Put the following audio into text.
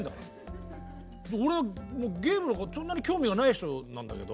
俺ゲームなんかそんなに興味がない人なんだけど。